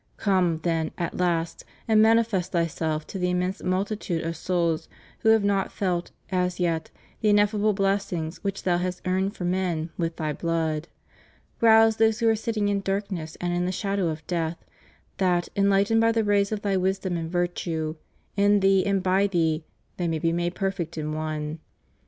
Come, then, at last, and manifest Thyself to the immense multitude of souls who have not felt, as yet, the ineffable blessings which Thou hast earned for men with Thy blood; rouse those who are sitting in darkness and in the shadow of death, that, enlightened by the rays of Thy wisdom and virtue, in Thee and by Thee "they may be made perfect in one."